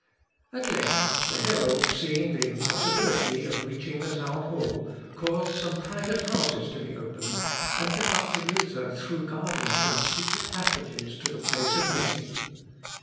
At length, the herald seeing the impossibility of reaching the town hall caused some private houses to be opened, and conducted Luther through gardens and secret passages to the place of meeting.